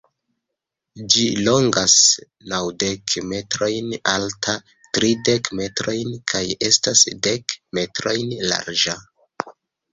Ĝi longas naŭdek metrojn, altas tridek metrojn kaj estas dek-metrojn larĝa.